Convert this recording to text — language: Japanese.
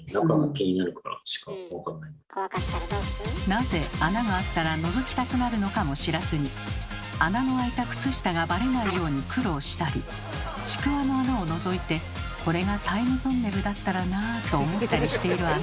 なぜ穴があったらのぞきたくなるのかも知らずに穴のあいた靴下がバレないように苦労したりちくわの穴をのぞいて「これがタイムトンネルだったらな」と思ったりしているあなた。